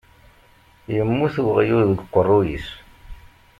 Yemmut weɣyul deg uqeṛṛuy-is.